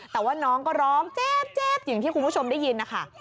แต่ว่าน้องก็ร้องแจ๊บอย่างที่คุณผู้ชมได้ยินนะคะ